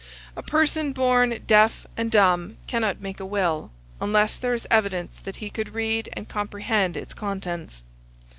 A person born deaf and dumb cannot make a will, unless there is evidence that he could read and comprehend its contents.